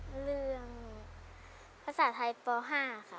เรื่องภาษาไทยป๕ค่ะ